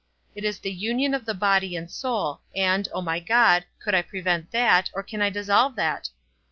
It is the union of the body and soul, and, O my God, could I prevent that, or can I dissolve that?